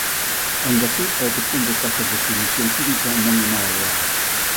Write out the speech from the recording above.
Aínda así a detección de casos de submisión química non é nada doada.